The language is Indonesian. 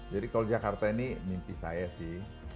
jadi kalau jakarta ini mimpi saya sih